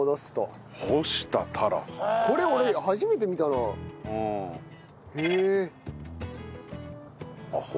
これ俺初めて見たなあ。